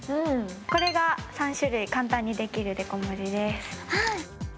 これが３種類簡単にできるデコ文字です。